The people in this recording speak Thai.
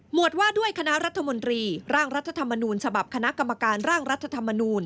วดว่าด้วยคณะรัฐมนตรีร่างรัฐธรรมนูญฉบับคณะกรรมการร่างรัฐธรรมนูล